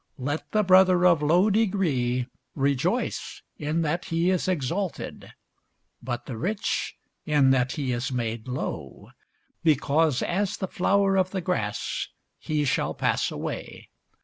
Let the brother of low degree rejoice in that he is exalted: but the rich, in that he is made low: because as the flower of the grass he shall pass away.